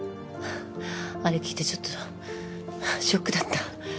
あれ聞いてちょっとショックだった。